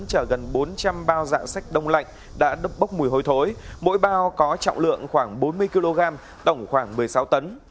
chở gần bốn trăm linh bao dạng sách đông lạnh đã bốc mùi hôi thối mỗi bao có trọng lượng khoảng bốn mươi kg tổng khoảng một mươi sáu tấn